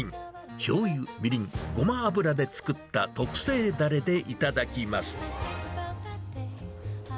しょうゆ、みりん、ごま油で作った特製だれで頂きます。